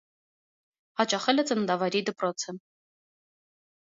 Հաճախել է ծննդավայրի դպրոցը։